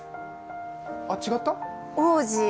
あっ、違った？